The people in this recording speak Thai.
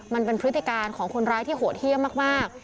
มันเป็นพฤติการของคนร้ายที่โหดเยี่ยมมาก